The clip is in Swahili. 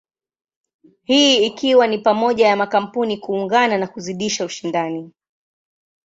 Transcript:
Hii ikiwa ni pamoja na makampuni kuungana na kuzidisha ushindani.